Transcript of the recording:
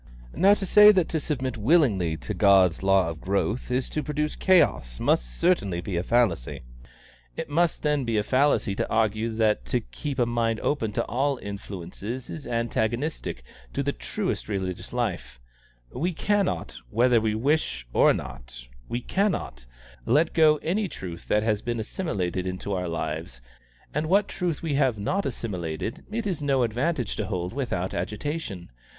Now to say that to submit willingly to God's law of growth is to produce chaos must certainly be a fallacy. It must then be a fallacy to argue that to keep a mind open to all influences is antagonistic to the truest religious life; we cannot whether we wish or not, we cannot let go any truth that has been assimilated into our lives; and what truth we have not assimilated it is no advantage to hold without agitation.